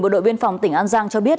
bộ đội biên phòng tỉnh an giang cho biết